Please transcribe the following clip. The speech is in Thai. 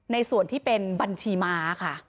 ส่วนที่เป็นบัญชีม้าค่ะ